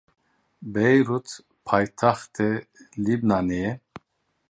Beyrûd paytexta Libnanê ye.